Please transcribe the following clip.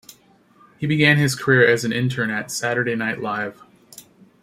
He began his career as an intern at "Saturday Night Live".